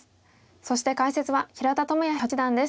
そして解説は平田智也八段です。